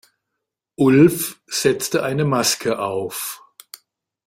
Ulf setzte eine Maske auf.